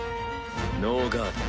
ノーガード。